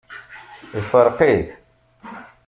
Ifṛeq-it.